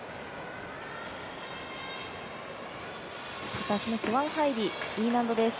片足のスワン入り、Ｅ難度です。